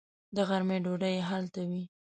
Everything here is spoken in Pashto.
د غرمې ډوډۍ یې هلته وي.